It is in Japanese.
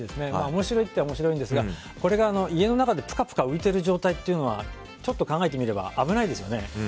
面白いといえば面白いんですがこれが家の中でぷかぷか浮いてる状態というのはちょっと考えてみれば危ないですよね。